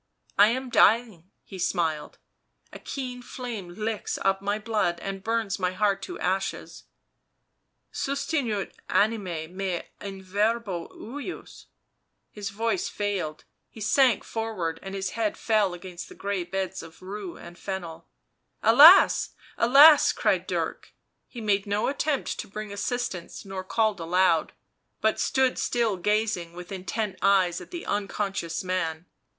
" I am dying," he smiled. " A keen flame licks up my blood and burns my heart to ashes —' Sustinuit anima mea in verbo ejus. ;" His voice failed, he sank forward and his head fell against the grey beds of rue and fennel. " Alas! alas!" cried Dirk; he made no attempt to bring assistance nor called aloud, but stood still, gazing with intent eyes at the unconscious man.